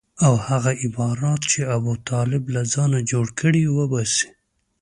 او هغه عبارات چې ابوطالب له ځانه جوړ کړي وباسي.